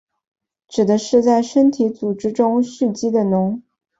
指的是在身体组织中蓄积的脓。